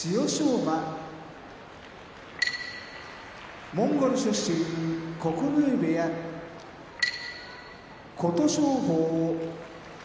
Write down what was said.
馬モンゴル出身九重部屋琴勝峰